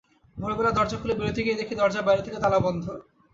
ভোরবেলা দরজা খুলে বেরুতে গিয়ে দেখি দরজা বাইরে থেকে তালাবন্ধ।